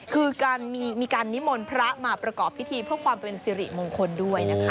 คือการมีการนิมนต์พระมาประกอบพิธีเพื่อความเป็นสิริมงคลด้วยนะคะ